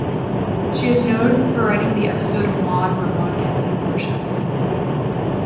She is known for writing the episode of "Maude" where Maude gets an abortion.